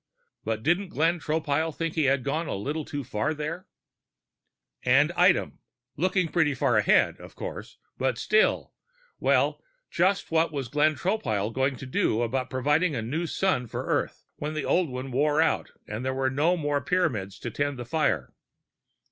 But didn't Glenn Tropile think he had gone a little too far there? And item looking pretty far ahead, of course, but still well, just what was Glenn Tropile going to do about providing a new sun for Earth, when the old one wore out and there would be no Pyramids to tend the fire?